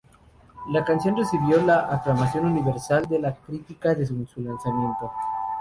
La canción recibió la aclamación universal de la crítica en su lanzamiento.